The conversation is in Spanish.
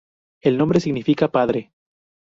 El nombre significa "padre".